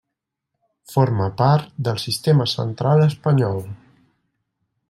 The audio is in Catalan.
Forma part del Sistema Central espanyol.